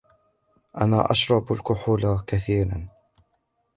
أنا أشرب الكحول كثيرا